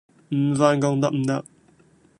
唔返工得唔得？